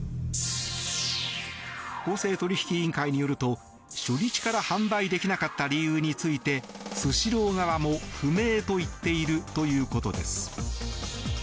公正取引委員会によると初日から販売できなかった理由についてスシロー側も不明と言っているということです。